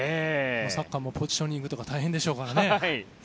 サッカーもポジショニングが大変でしょうからね。